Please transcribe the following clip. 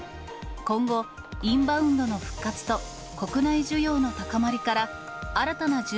今後、インバウンドの復活と、国内需要の高まりから、新たな従